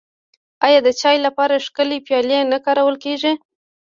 آیا د چای لپاره ښکلې پیالې نه کارول کیږي؟